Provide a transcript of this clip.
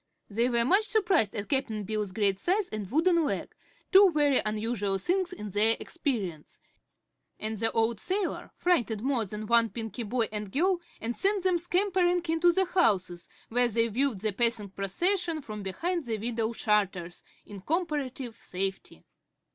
They were much surprised at Cap'n Bill's great size and wooden leg two very unusual things in their experience and the old sailor frightened more than one Pinky boy and girl and sent them scampering into the houses, where they viewed the passing procession from behind the window shutters, in comparative safety.